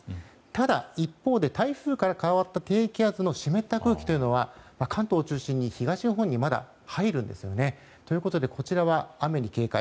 ただ、一方で台風から変わった低気圧の湿った空気は、関東を中心に東日本にまだ入るんですよね。ということでこちらは雨に警戒。